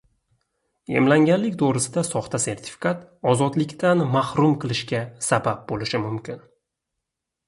Emlanganlik to‘g‘risida soxta sertifikat ozodlikdan mahrum qilishga sabab bo‘lishi mumkin